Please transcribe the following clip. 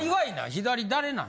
左誰なん？